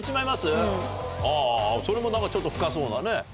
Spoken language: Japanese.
あぁそれも何かちょっと深そうなね。